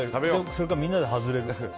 それかみんなで外れる。